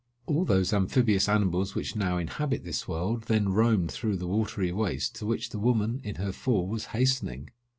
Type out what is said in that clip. All those amphibious animals which now inhabit this world then roamed through the watery waste to which the woman, in her fall, was hastening.